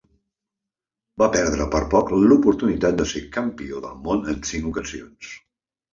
Va perdre per poc l'oportunitat de ser Campió del món en cinc ocasions.